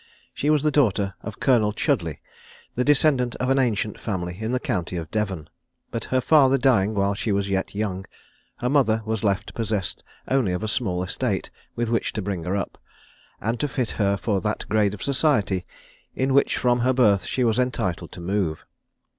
She was the daughter of Colonel Chudleigh, the descendant of an ancient family in the county of Devon; but her father dying while she was yet young, her mother was left possessed only of a small estate with which to bring her up, and to fit her for that grade of society in which from her birth she was entitled to move.